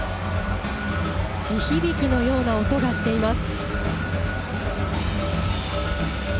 地響きのような音がしています。